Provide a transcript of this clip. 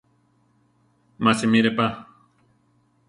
Má simire pa.